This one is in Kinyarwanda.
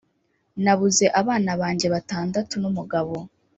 nabuze abana banjye batandatu n’umugabo